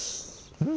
うん。